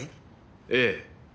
ええ。